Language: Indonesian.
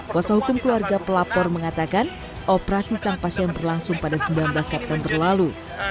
kuasa hukum keluarga pelapor mengatakan operasi sang pasien berlangsung pada sembilan belas september lalu